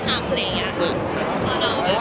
ขอบคุณภาษาให้ด้วยเนี่ย